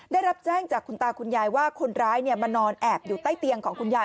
ได้รับแจ้งจากคุณตาคุณยายว่าคนร้ายมานอนแอบอยู่ใต้เตียงของคุณยาย